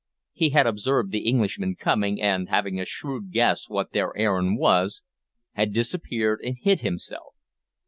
He had observed the Englishmen coming, and, having a shrewd guess what their errand was, had disappeared and hid himself.